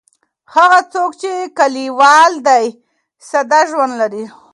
هغه څوک چې کلیوال دی ساده ژوند لري.